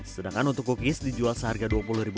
sedangkan untuk cookies dijual seharga rp dua puluh